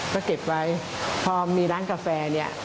ก็เก็บไว้พอมีร้านกาแฟเนี่ย